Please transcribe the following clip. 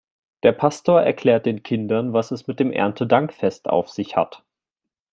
Der Pastor erklärt den Kindern, was es mit dem Erntedankfest auf sich hat.